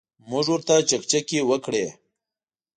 موږ ورته چکچکې وکړې.